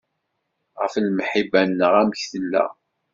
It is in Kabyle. Ɣef lemḥibba neɣ amek tella.